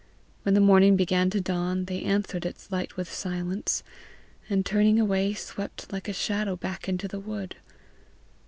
When the morning began to dawn, they answered its light with silence, and turning away swept like a shadow back into the wood.